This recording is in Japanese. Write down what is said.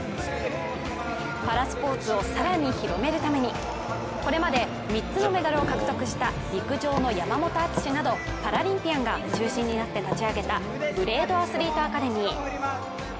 パラスポーツを更に広めるためにこれまで３つのメダルを獲得した陸上の山本篤などパラリンピアンが中心になって立ち上げたブレードアスリートアカデミー。